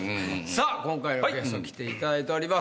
さぁ今回のゲスト来ていただいております。